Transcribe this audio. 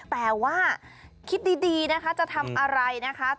แต่ว่าคิดดีนะคะจะทำอะไรนะคะ